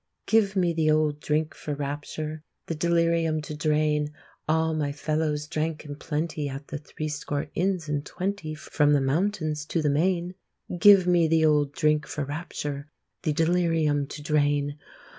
Give me the old drink for rapture, The delirium to drain, All my fellows drank in plenty At the Three Score Inns and Twenty From the mountains to the main! Give me the old drink for rapture, The delirium to drain!